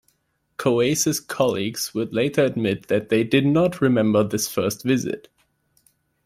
Coase's colleagues would later admit that they did not remember this first visit.